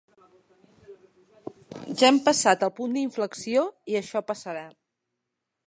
Ja hem passat el punt d’inflexió i això passarà.